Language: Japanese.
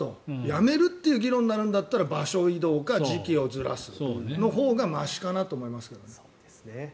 やめるという議論になるんだったら場所移動か時期をずらすほうがましかなと思いますけど。